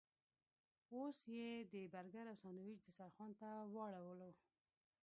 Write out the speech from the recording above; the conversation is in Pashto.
اوس یې د برګر او ساندویچ دسترخوان ته واړولو.